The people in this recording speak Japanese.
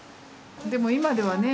でも今ではね